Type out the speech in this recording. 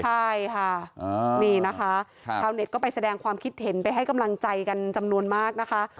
ใช่ค่ะนี่นะคะชาวเน็ตก็ไปแสดงความคิดเห็นไปให้กำลังใจกันจำนวนมากนะคะ